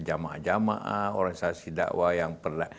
jamaah jamaah organisasi dakwah yang pernah